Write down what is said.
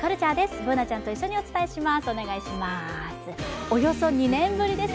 Ｂｏｏｎａちゃんと一緒にお伝えします